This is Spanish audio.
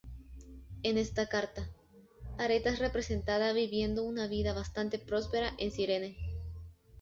En esta carta, Areta es representada viviendo una vida bastante próspera en Cirene.